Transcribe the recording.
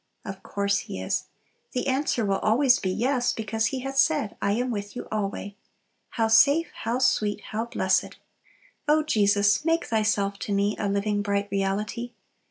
Of course He is! the answer will always be "yes," because He hath said, "I am with you alway." How safe, how sweet, how blessed! "O Jesus, make Thyself to me A living, bright reality!